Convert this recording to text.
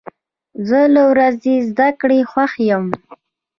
زه له ورځې زده کړې خوښ یم.